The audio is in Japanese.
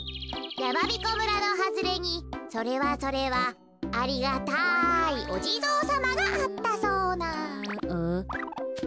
やまびこ村のはずれにそれはそれはありがたいおじぞうさまがあったそうなうん？